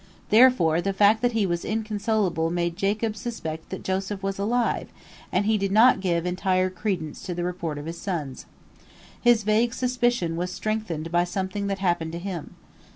Therefore the fact that he was inconsolable made Jacob suspect that Joseph was alive, and he did not give entire credence to the report of his sons. His vague suspicion was strengthened by something that happened to him.